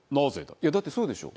いやだってそうでしょ？